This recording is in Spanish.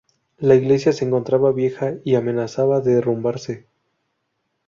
La iglesia se encontraba vieja y amenazaba derrumbarse.